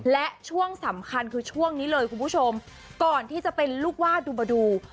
และช่วงสำคัญคือช่วงนี้เลยคุณผู้ชมก่อนที่จะเป็นลูกวาดดูบดู